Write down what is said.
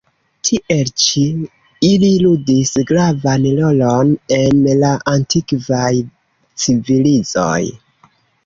Tiel ĉi, ili ludis gravan rolon en la antikvaj civilizoj.